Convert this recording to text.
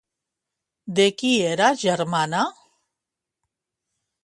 De qui era germana?